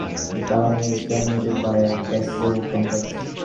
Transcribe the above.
The town is dominated by a castle complex.